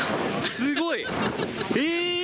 すごい！えー！